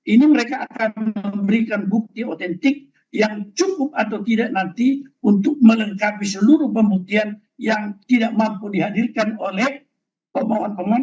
ini mereka akan memberikan bukti otentik yang cukup atau tidak nanti untuk melengkapi seluruh pembuktian yang tidak mampu dihadirkan oleh permohonan pemohon